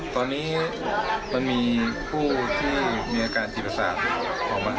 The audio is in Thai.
ตอนนี้มันมีผู้ที่มีอาการจิปราสาท